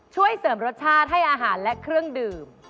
ช่วยเสริมรสชาติให้อาหารและเครื่องดื่ม